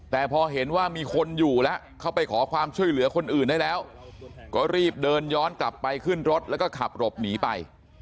แต่พอเห็นว่ามีคนอยู่แล้วเข้าไปขอความช่วยเหลือคนอื่นได้แล้วก็รีบเดินย้อนกลับไปขึ้นรถแล้วก็ขับหลบหนีไป